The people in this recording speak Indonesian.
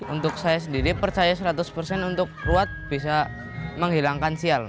untuk saya sendiri percaya seratus persen untuk ruat bisa menghilangkan sial